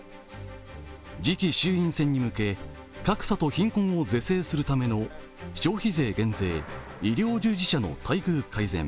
次期衆院選に向け格差と貧困を是正するための消費税減税、医療従事者の待遇改善